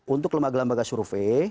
untuk lembaga lembaga survei